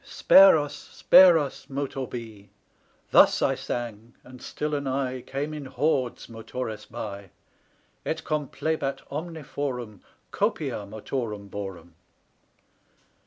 Spare us, spare us, Motor Be! Thus I sang; and still anigh Came in hordes Motores Bi, Et complebat omne forum Copia Motorum Borum.